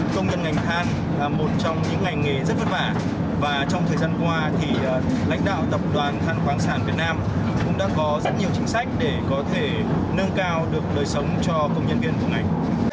công nhân ngành than là một trong những ngành nghề rất vất vả và trong thời gian qua thì lãnh đạo tập đoàn than khoáng sản việt nam cũng đã có rất nhiều chính sách để có thể nâng cao được đời sống cho công nhân viên của ngành